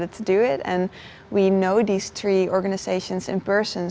dan kami mengenali tiga organisasi ini secara pribadi